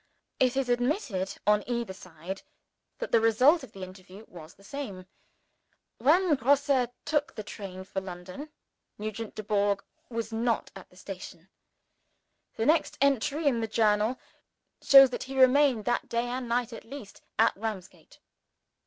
It is admitted, on either side, that the result of the interview was the same. When Grosse took the train for London, Nugent Dubourg was not at the station. The next entry in the Journal shows that he remained that day and night, at least, at Ramsgate.